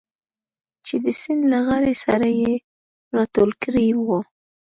چې د سیند له غاړې سره یې راټول کړي و.